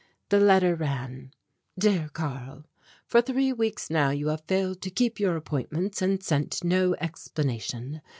The letter ran: "Dear Karl: For three weeks now you have failed to keep your appointments and sent no explanation.